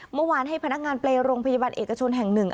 เมื่อวานให้พนักงานเปรย์โรงพยาบาลเอกชนแห่งหนึ่ง